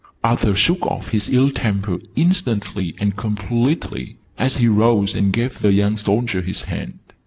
Arthur shook off his ill temper instantly and completely, as he rose and gave the young soldier his hand.